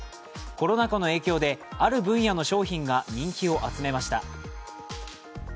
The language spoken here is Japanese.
コロナ禍の影響である分野の商品が人気を集めました。